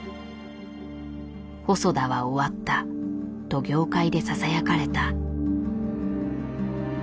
「細田は終わった」と業界でささやかれた。